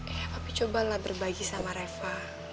ya papi cobalah berbagi sama reva